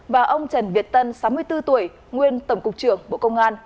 và ông trần việt tân sáu mươi bốn tuổi nguyên tổng cục trưởng bộ công an